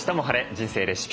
人生レシピ」。